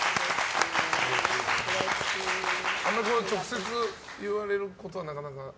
旦那さんから直接言われることはなかなか。